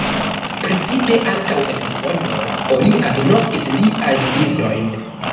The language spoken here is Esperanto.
Precipe ankaŭ en Usono oni agnoskis liajn bildojn.